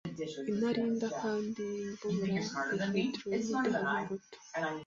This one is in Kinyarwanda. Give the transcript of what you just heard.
inarinda kandi imvubura ya thyroid haba ingoto